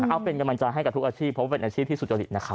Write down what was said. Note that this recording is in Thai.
เอาเป็นกำลังใจให้กับทุกอาชีพเพราะว่าเป็นอาชีพที่สุจริตนะครับ